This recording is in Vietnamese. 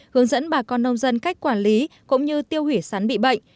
hướng dẫn bà con nông dân cách quản lý cũng như tiêu hủy sắn bị bệnh